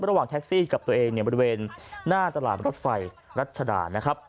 ระหว่างแท็กซี่กับตัวเองเนี่ยบริเวณหน้าตลาดรถไฟรัชดานะครับ